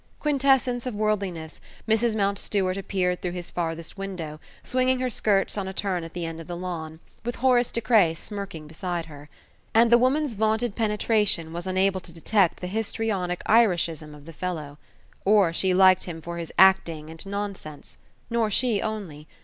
Quintessence of worldliness, Mrs. Mountstuart appeared through his farthest window, swinging her skirts on a turn at the end of the lawn, with Horace De Craye smirking beside her. And the woman's vaunted penetration was unable to detect the histrionic Irishism of the fellow. Or she liked him for his acting and nonsense; nor she only.